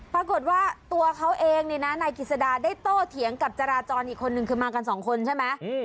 ปรากฏว่าตัวเขาเองนายกฤษดาได้โต้เถียงกับจราจรอีกคนนึงคือมากัน๒คนใช่ไหม